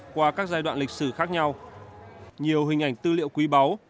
qua các giai đoạn lịch sử khác nhau nhiều hình ảnh tư liệu quý báu